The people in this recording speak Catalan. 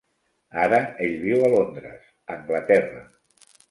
Ara ell viu a Londres, Anglaterra.